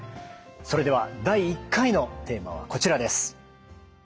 それでは第１回のテーマはこちらです。